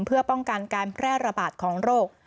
เพื่อป้องกันการแพร่ระบาดของโรค